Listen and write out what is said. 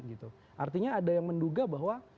gitu artinya ada yang menduga bahwa